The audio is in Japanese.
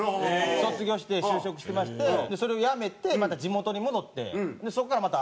卒業して就職してましてそれを辞めてまた地元に戻ってそこからまた。